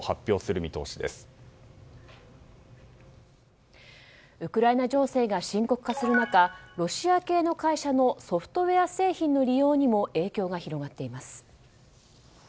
ロシアへの追加制裁をウクライナ情勢が深刻化する中ロシア系の会社のソフトウェア製品の利用にも影響が広がっています。